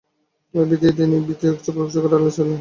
তিনি ভীত অবস্থায় লোকচক্ষুর আড়ালে ছিলেন।